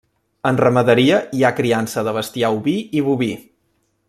En ramaderia, hi ha criança de bestiar oví i boví.